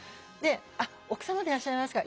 「あっ奥様でいらっしゃいますか？」。